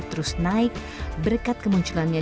terus naik berkat kemunculannya